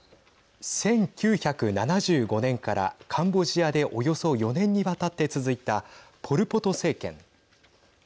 １９７５年からカンボジアでおよそ４年にわたって続いたポル・ポト政権。